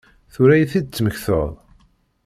Tura i t-id-temmektaḍ?